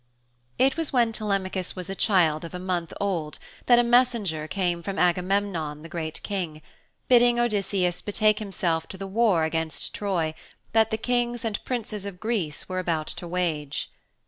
It was when Telemachus was a child of a month old that a messenger came from Agamemnon, the Great King, bidding Odysseus betake himself to the war against Troy that the Kings and Princes of Greece were about to wage.